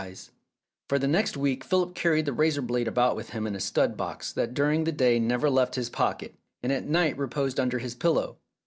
303 Philip's Safety Razor For the next week Philip carried the razor blade about with him in a stud box that during the day never left his pocket, and at night reposed under his pillow.